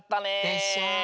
でしょ。